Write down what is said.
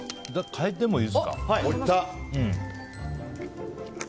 変えてもいいですか。